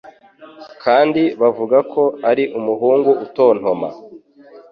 kandi bavugako ari umuhungu utontoma.